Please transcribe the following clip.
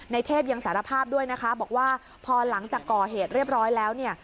เทพยังสารภาพด้วยนะคะบอกว่าพอหลังจากก่อเหตุเรียบร้อยแล้วเนี่ย